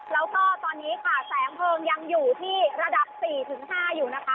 แล้วก็ตอนนี้ค่ะแสงเพลิงยังอยู่ที่ระดับ๔๕อยู่นะคะ